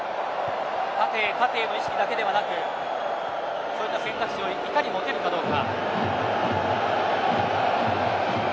縦へ縦への意識だけではなくそういった選択肢をいかに持てるかどうか。